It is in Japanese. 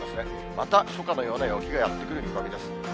また初夏のような陽気がやって来る見込みです。